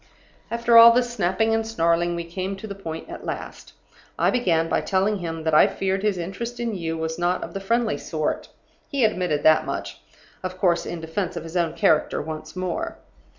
"After all this snapping and snarling, we came to the point at last. I began by telling him that I feared his interest in you was not of the friendly sort. He admitted that much of course, in defense of his own character once more.